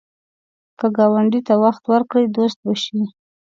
که ګاونډي ته وخت ورکړې، دوست به شي